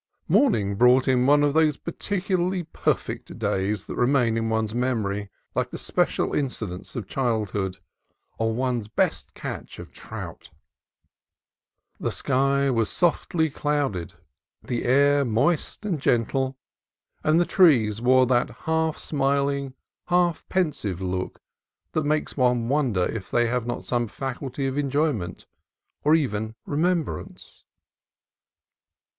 Morning brought in one of those particularly per fect days that remain in one's memory like the spe cial incidents of childhood, or one's best catch of trout. The sky was softly clouded, the air moist and gentle, and the trees wore that half smiling, half pensive look that makes one wonder if they have not some faculty of enjoyment, or even remem brance.